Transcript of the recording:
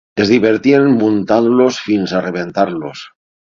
Es divertien muntant-los fins a rebentar-los.